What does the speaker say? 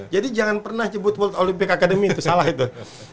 jangan pernah jebut world olympic academy itu salah itu